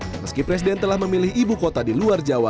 meski presiden telah memilih ibu kota di luar jawa